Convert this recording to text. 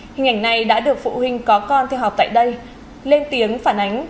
hình ảnh này đã được phụ huynh có con theo học tại đây lên tiếng phản ánh